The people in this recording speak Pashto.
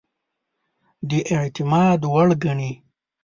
د اعتماد وړ ګڼي.